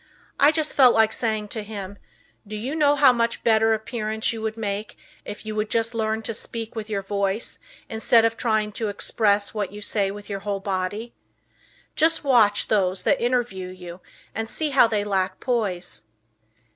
I just felt like saying to him, "Do you know how much better appearance you would make if you would just learn to speak with your voice instead of trying to express what you say with your whole body?" Just watch those that interview you and see how they lack poise.